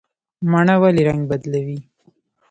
مڼه ولې رنګ بدلوي؟